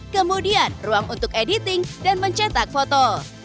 kemudian ruang untuk editing dan mencetak foto